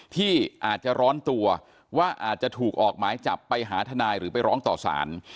ที่อาจจะร้อนตัวว่าอาจจะถูกออกหมายจับไปหาทนายหรือไปร้องต่อสาร